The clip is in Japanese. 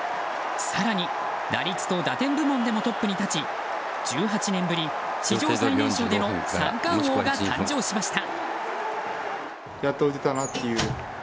更に打率と打点部門でもトップに立ち１８年ぶりの三冠王が誕生しました。